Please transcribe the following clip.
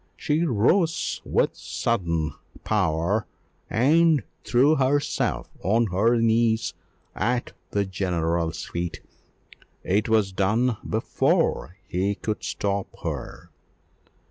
She rose with sudden power and threw herself on her knees at the general's feet: it was done before he could stop her.